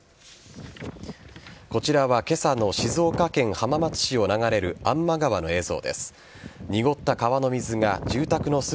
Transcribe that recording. こちらは今朝の静岡県浜松市を流れる安間川の映像です。